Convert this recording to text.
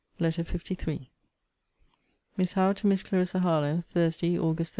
LETTER LIII MISS HOWE, TO MISS CLARISSA HARLOWE THURSDAY, AUGUST 31.